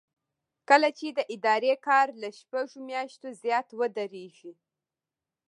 کله چې د ادارې کار له شپږو میاشتو زیات ودریږي.